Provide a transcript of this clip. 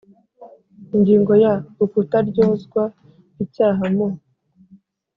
Ingingo ya Ukutaryozwa icyaha mu